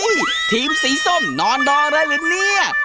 เฮ้ยทีมสีส้มนอนดอนเลยเนี่ย